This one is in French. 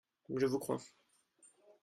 Je vous crois.